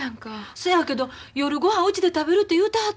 そやけど夜ごはんうちで食べるて言うてはった